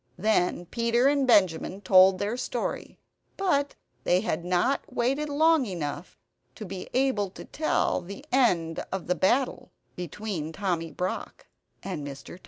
Then Peter and Benjamin told their story but they had not waited long enough to be able to tell the end of the battle between Tommy Brock and Mr. Tod.